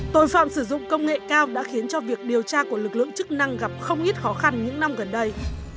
tội phạm sử dụng công nghệ cao đã khiến cho việc điều tra của lực lượng chức năng gặp không ít khó khăn những năm gần đây